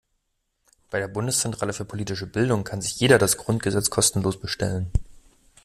Bei der Bundeszentrale für politische Bildung kann sich jeder das Grundgesetz kostenlos bestellen.